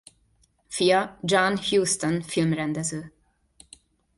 Fia John Huston filmrendező.